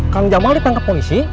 kang jamal di tangkap polisi